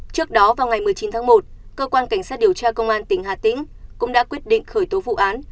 trước đó vào ngày một mươi chín tháng một cơ quan cảnh sát điều tra công an tỉnh hà tĩnh cũng đã quyết định khởi tố vụ án